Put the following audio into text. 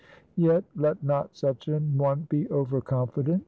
Yet let not such an one be over confident.